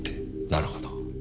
なるほど。